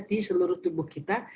di seluruh tubuh kita